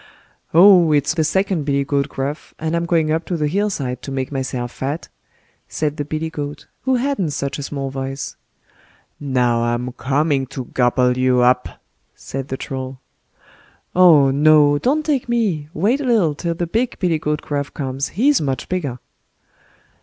"Oh! it's the second billy goat Gruff, and I'm going up to the hill side to make myself fat", said the billy goat, who hadn't such a small voice. "Now, I'm coming to gobble you up", said the Troll. "Oh, no! don't take me, wait a little till the big billy goat Gruff comes, he's much bigger."